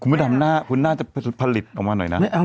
คุณไม่ทำหน้าคุณน่าจะผลิตออกมาหน่อยนะ